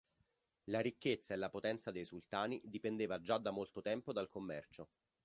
La ricchezza e la potenza dei sultani dipendeva già da molto tempo dal commercio.